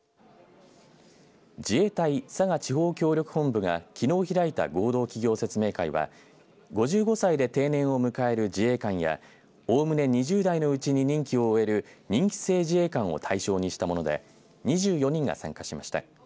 自衛隊佐賀地方協力本部がきのう開いた合同企業説明会は５５歳で定年を迎える自衛官やおおむね２０代のうちに任期を終える任期制自衛官を対象にしたもので２４人が参加しました。